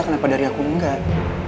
kenapa dari aku enggak